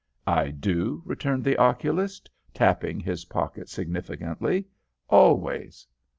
"I do," returned the oculist, tapping his pocket significantly. "Always!"